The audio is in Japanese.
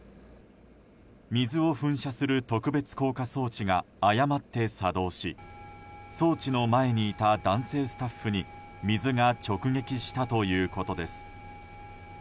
水を噴射する特別降下装置が誤って作動し装置の前にいた男性スタッフに水が直撃したということです。